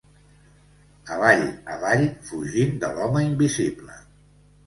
Avall, avall, fugint de l'home invisible.